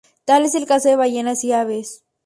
Tal es el caso de ballenas y aves.